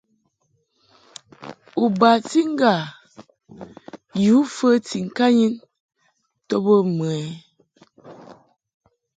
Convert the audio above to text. U bati ŋgâ yǔ fəti ŋkanyin to bə mɨ?